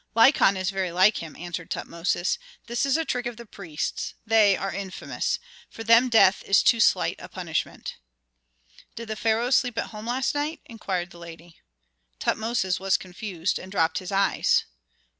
"Lykon is very like him," answered Tutmosis. "This is a trick of the priests. They are infamous! For them death is too slight a punishment." "Did the pharaoh sleep at home last night?" inquired the lady. Tutmosis was confused and dropped his eyes.